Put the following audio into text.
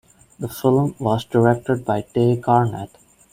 The film was directed by Tay Garnett.